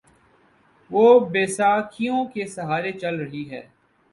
وہ بیساکھیوں کے سہارے چل رہی ہے۔